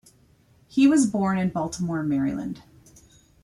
He was born in Baltimore, Maryland.